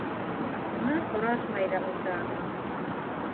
Уны һорашмай ҙа ултырам.